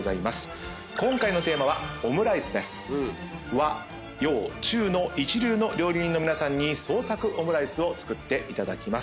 和・洋・中の一流の料理人の皆さんに創作オムライスを作っていただきます。